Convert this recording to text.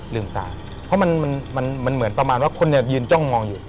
ลืมตาเพราะมันมันเหมือนประมาณว่าคนเนี่ยยืนจ้องมองอยู่